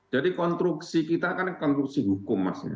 jadi konstruksi kita kan konstruksi hukum mas